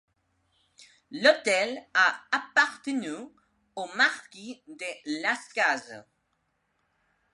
L'hôtel a appartenu au marquis de Lascazes.